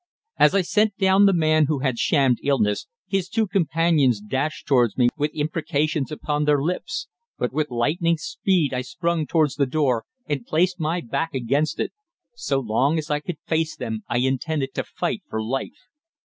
As I sent down the man who had shammed illness, his two companions dashed towards me with imprecations upon their lips; but with lightning speed I sprang towards the door and placed my back against it. So long as I could face them I intended to fight for life.